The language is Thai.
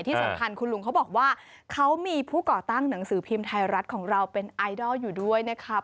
ที่สำคัญคุณลุงเขาบอกว่าเขามีผู้ก่อตั้งหนังสือพิมพ์ไทยรัฐของเราเป็นไอดอลอยู่ด้วยนะคะ